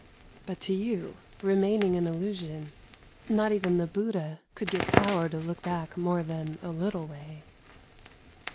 " But to you, remaining in illusion, not even the Buddha could give power to look back more than a little way.